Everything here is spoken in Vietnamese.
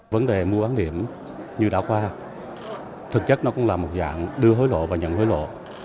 vấn đề mua bán điểm như đã qua thực chất nó cũng là một dạng đưa hối lộ và nhận hối lộ